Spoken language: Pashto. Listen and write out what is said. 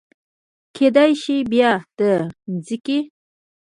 کیدای شي بیا د مځکې